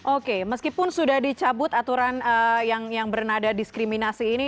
oke meskipun sudah dicabut aturan yang bernada diskriminasi ini